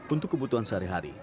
untuk kebutuhan sehari hari